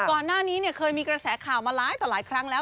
ก่อนหน้านี้เคยมีกระแสข่าวมาหลายต่อหลายครั้งแล้ว